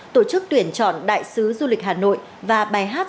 tổ chức tuyển chọn đại sứ du lịch hà nội và bài hát